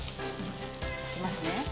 いきますね。